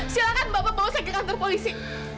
silahkan bapak bawa saya ke kantor polisi